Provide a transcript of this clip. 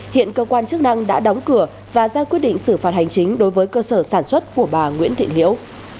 hiện cơ quan chức năng đã đóng cửa và ra quyết định xử phạt hành chính đối với cơ sở sản xuất của bà nguyễn thị liễu